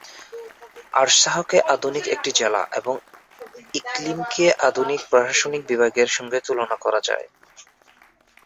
আরসাহকে আধুনিক একটি জেলা এবং ইকলিমকে আধুনিক প্রশাসনিক বিভাগের সঙ্গে তুলনা করা যায়।